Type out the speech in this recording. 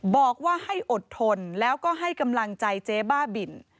บอกว่าให้อดทนแล้วก็ให้กำลังใจเจ๊บ้าบิน